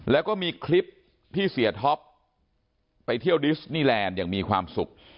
แล้วก็มีคลิปที่เสียท็อปไปเที่ยวดิสนีแลนด์อย่างมีความสุข